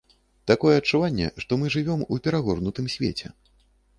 Такое адчуванне, што мы жывём у перагорнутым свеце.